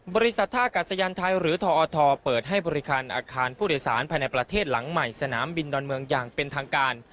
บริษัทท่ากัดสยานไทยหรือทอทเปิดให้บริการอาคารผู้โดยสารภายในประเทศหลังใหม่สนามบินดอนเมืองอย่างเป็นทางการ